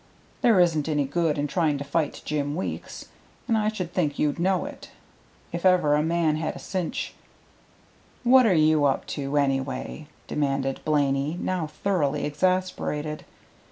There isn't any good in trying to fight Jim Weeks, and I should think you'd know it. If ever a man had a cinch " "What are you up to, anyhow?" demanded Blaney, now thoroughly exasperated.